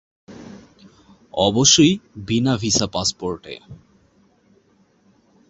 অবশ্যই বিনা ভিসা-পাসপোর্টে।